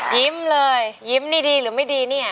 ยิ้มเลยยิ้มนี่ดีหรือไม่ดีเนี่ย